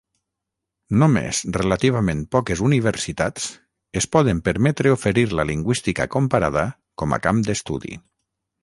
Només relativament poques universitats es poden permetre oferir la lingüística comparada com a camp d'estudi.